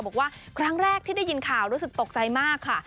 บอกว่าครั้งแรกที่ได้ยินข่าวรู้สึกตกใจมากค่ะ